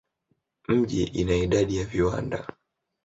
Mji ina idadi ya viwanda.